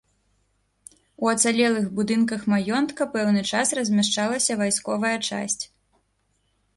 У ацалелых будынках маёнтка пэўны час размяшчалася вайсковая часць.